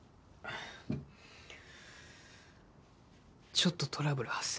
ちょっとトラブル発生。